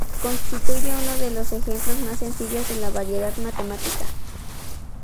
Constituye uno de los ejemplos más sencillos de variedad matemática.